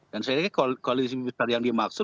dan saya kira koalisi besar yang dimaksud